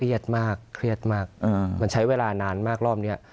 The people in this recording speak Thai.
เครียดมากเครียดมากมันใช้เวลานานมากรอบเนี่ย